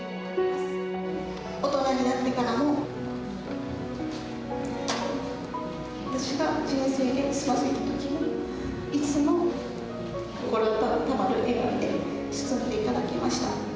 大人になってからも、私が人生でつまずいたときも、いつも心温まる笑顔で救っていただきました。